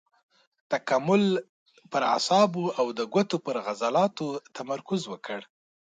تکامل پر اعصابو او د ګوتو پر عضلاتو تمرکز وکړ.